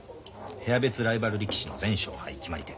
部屋別ライバル力士の全勝敗決まり手。